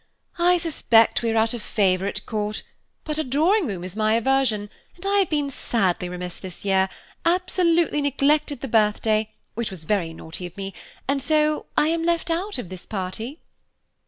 "I suspect we are out of favour at Court, but a Drawing Room is my aversion, and I have been sadly remiss this year; absolutely neglected the birthday, which was very naughty of me, and so I am left out of this party."